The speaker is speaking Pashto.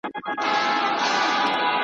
بېگناه به قصاصېږي په بازار كي `